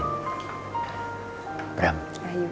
terima kasih ya